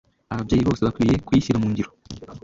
ababyeyi bose bakwiriye kuyishyira mu ngiro